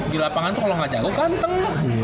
di lapangan tuh kalau gak jago ganteng